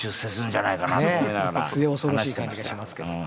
これねっ末恐ろしい感じがしますけど。